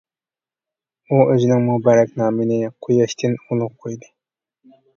ئۇ ئۆزىنىڭ مۇبارەك نامىنى «قۇياشتىن ئۇلۇغ» قويدى.